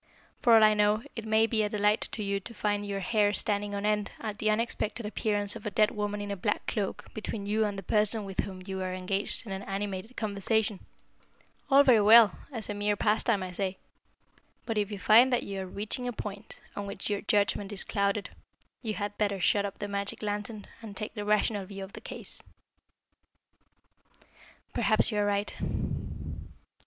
For all I know, it may be a delight to you to find your hair standing on end at the unexpected appearance of a dead woman in a black cloak between you and the person with whom you are engaged in animated conversation. All very well, as a mere pastime, I say. But if you find that you are reaching a point on which your judgment is clouded, you had better shut up the magic lantern and take the rational view of the case." "Perhaps you are right."